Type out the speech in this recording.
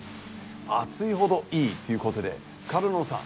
暑いほどいいっていうことで角野さん